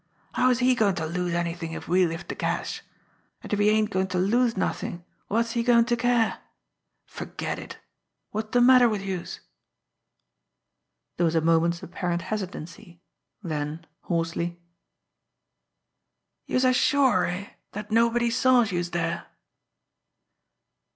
How's he goin' to lose anything if we lift de cash? An' if he ain't goin' to lose nothin', wot's he goin' to care! Ferget it! Wot's de matter wid youse!" There was a moment's apparent hesitancy; then, hoarsely: "Youse are sure, eh, dat nobody saw youse dere?"